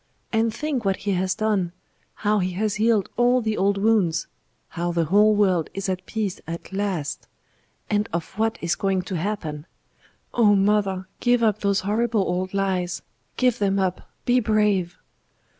And think what He has done how He has healed all the old wounds how the whole world is at peace at last and of what is going to happen. Oh! mother, give up those horrible old lies; give them up; be brave."